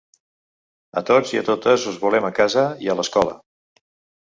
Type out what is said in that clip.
A tots i a totes, us volem a casa i a l’escola.